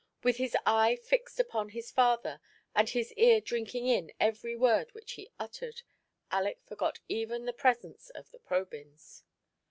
With his eye fixed upon his father, and his ear drinking in every word which he uttered, Aleck forgot even the presence of the Probyns.